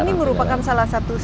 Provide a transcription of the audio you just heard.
tapi ini merupakan salah satu sumber